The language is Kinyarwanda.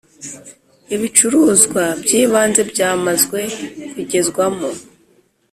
ibicuruzwa by ibanze byamazwe kugezwamo